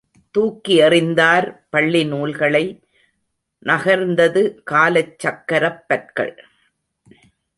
தூக்கி எறிந்தார் பள்ளி நூல்களை நகர்ந்தது காலச் சக்கரப் பற்கள்.